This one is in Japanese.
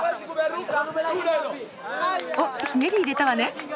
おっひねり入れたわね。